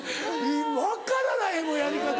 分からないもんやり方が。